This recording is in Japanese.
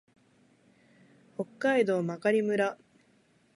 北海道真狩村